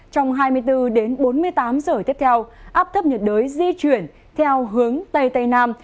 trong hai mươi bốn đến bốn mươi tám giờ tiếp theo áp thấp nhiệt đới di chuyển theo hướng tây tây nam